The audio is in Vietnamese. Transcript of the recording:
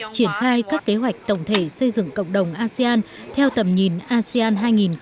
triển khai các kế hoạch tổng thể xây dựng cộng đồng asean theo tầm nhìn asean hai nghìn hai mươi năm